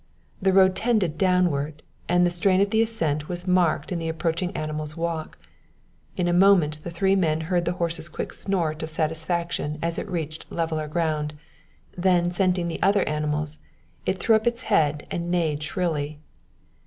The road tended downward, and the strain of the ascent was marked in the approaching animal's walk; in a moment the three men heard the horse's quick snort of satisfaction as it reached leveler ground; then scenting the other animals, it threw up its head and neighed shrilly.